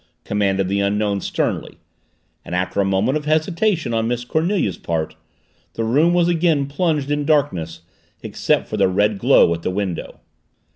commanded the Unknown sternly, and, after a moment of hesitation on Miss Cornelia's part, the room was again plunged in darkness except for the red glow at the window.